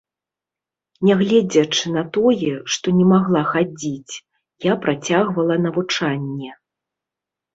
Нягледзячы на тое, што не магла хадзіць, я працягвала навучанне.